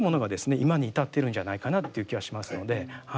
今に至ってるんじゃないかなっていう気はしますのでは